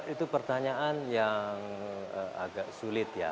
itu pertanyaan yang agak sulit ya